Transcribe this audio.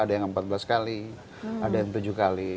kadang kadang sampai ada yang empat belas kali ada yang tujuh kali